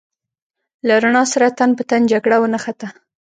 له رڼا سره تن په تن جګړه ونښته.